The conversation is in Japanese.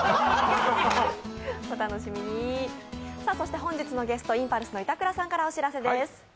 本日のゲスト、インパルスの板倉からお知らせです。